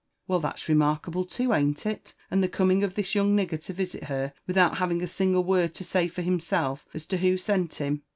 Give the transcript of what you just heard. "Well, that's remarkable too, an't it? — ^and the coming of this young nigger to visit her, without having a single word to say for himself as to who sent him?